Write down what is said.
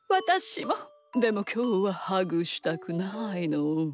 でもきょうはハグしたくないの。